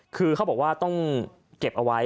คือเขาบอกว่าต้องเก็บเอาไว้